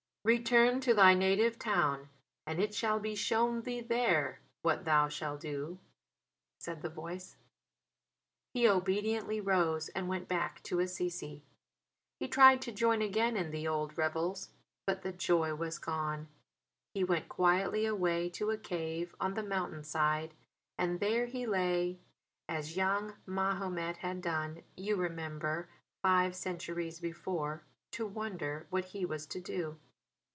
"Return to thy native town, and it shall be shown thee there what thou shall do," said the voice. He obediently rose and went back to Assisi. He tried to join again in the old revels, but the joy was gone. He went quietly away to a cave on the mountain side and there he lay as young Mahomet had done, you remember, five centuries before, to wonder what he was to do.